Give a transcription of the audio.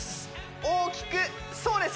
大きくそうです